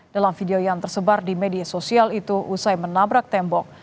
dalam video yang tersebar di media sosial itu usai menabrak tembok